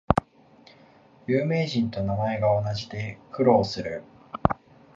有名人と名前が同じで苦労する